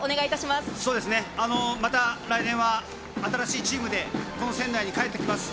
また来年は新しいチームで仙台に帰ってきます。